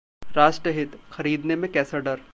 राष्ट्र हितः खरीदने में कैसा डर